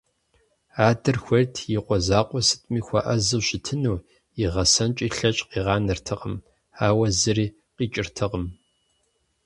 Адэр хуейт и къуэ закъуэр сытми хуэӀэзэу щытыну, игъэсэнкӀи лъэкӀ къигъанэртэкъым, ауэ зыри къикӀыртэкъым.